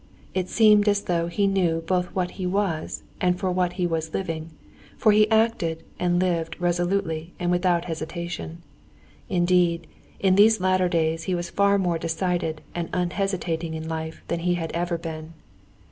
It seemed as though he knew both what he was and for what he was living, for he acted and lived resolutely and without hesitation. Indeed, in these latter days he was far more decided and unhesitating in life than he had ever been.